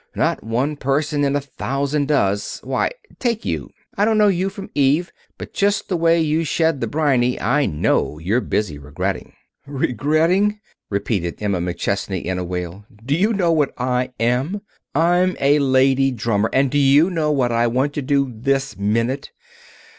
Not one person in a thousand does. Why, take you I don't know you from Eve, but just from the way you shed the briny I know you're busy regretting." "Regretting?" repeated Emma McChesney, in a wail. "Do you know what I am? I'm a lady drummer. And do you know what I want to do this minute?